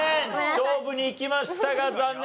勝負にいきましたが残念。